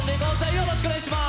よろしくお願いします！